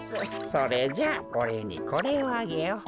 それじゃあおれいにこれをあげよう。